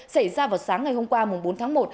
xảy ra vào sáng ngày hôm qua bốn tháng một